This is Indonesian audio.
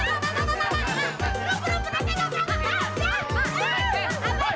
lo pernah tengah kaget ya